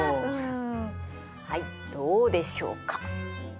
はいどうでしょうか？